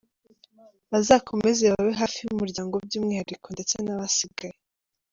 Bazakomeze babe hafi umuryango by'umwihariko ndetse n'abasigaye.